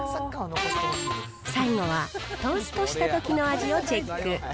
最後はトーストしたときの味をチェック。